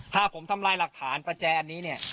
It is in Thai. ถ้าผมทำลายหลักฐานประแจอันนี้เนี่ย